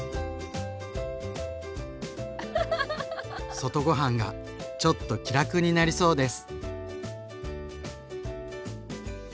外ご飯がちょっと気楽になりそうです！